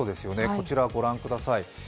こちらご覧ください。